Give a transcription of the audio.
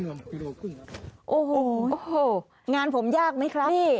โอ้โหงานผมยากไหมครับนี่